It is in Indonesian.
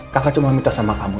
kakak cuma minta sama kamu